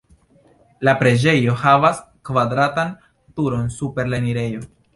La preĝejo havas kvadratan turon super la enirejo.